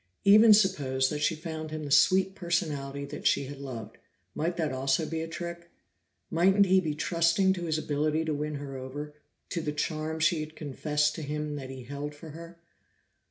Even suppose that she found him the sweet personality that she had loved, might that also be a trick? Mightn't he be trusting to his ability to win her over, to the charm she had confessed to him that he held for her?